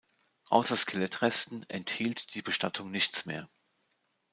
Außer Skelettresten enthielt die Bestattung nichts mehr.